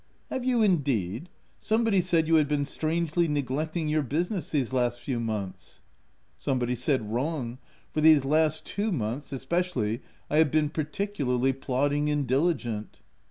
,c Have you indeed ! Somebody said you had been strangely neglecting your business these last few months." " Somebody said wrong, for, these last two OF WILDFELL HALL. 187 months — especially, I have been particularly plodding and diligent."